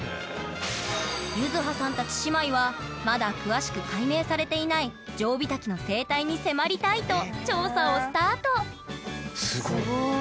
ゆずはさんたち姉妹はまだ詳しく解明されていないジョウビタキの生態に迫りたいと調査をスタートすごっ！